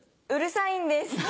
うるさいんです。